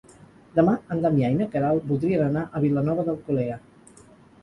Demà en Damià i na Queralt voldrien anar a Vilanova d'Alcolea.